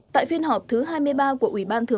tại phiên họp thứ hai mươi ba của ubth